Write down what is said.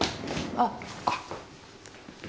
あっ。